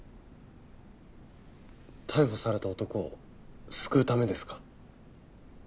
逮捕された男を救うためですか？